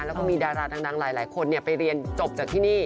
แล้วก็มีดาราดังหลายคนไปเรียนจบจากที่นี่